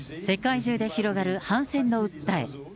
世界中で広がる反戦の訴え。